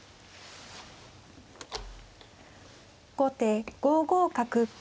後手５五角。